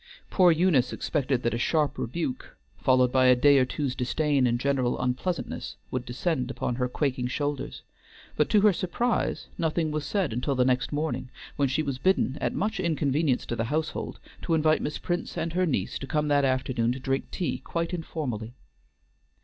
Poor Eunice expected that a sharp rebuke, followed by a day or two's disdain and general unpleasantness, would descend upon her quaking shoulders; but, to her surprise, nothing was said until the next morning, when she was bidden, at much inconvenience to the household, to invite Miss Prince and her niece to come that afternoon to drink tea quite informally.